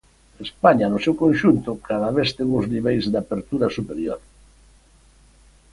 España, no seu conxunto, cada vez ten uns niveis de apertura superior.